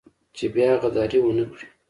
چې بيا غداري ونه کړي.